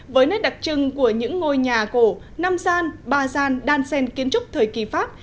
với nét đặc trưng của những ngôi nhà cổ nam gian ba gian đan sen kiến trúc thời kỳ pháp